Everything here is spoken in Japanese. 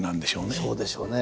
そうでしょうね。